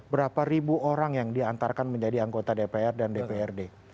berapa ribu orang yang diantarkan menjadi anggota dpr dan dprd